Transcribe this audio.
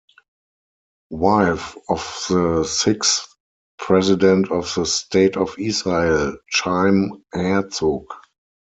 Wife of the sixth president of the State of Israel, Chaim Herzog.